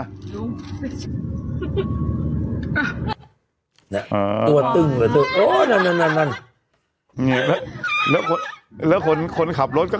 ตัวตึ้งแล้วตัวโอ้นั่นนั่นนั่นนั่นแล้วแล้วคนคนขับรถก็